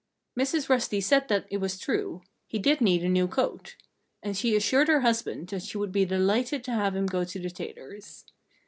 Mrs. Rusty said that it was true he did need a new coat. And she assured her husband that she would be delighted to have him go to the tailor's.